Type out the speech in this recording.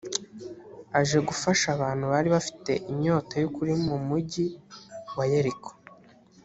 aje gufasha abantu bari bafite inyota y’ukuri mu mugi wa yeriko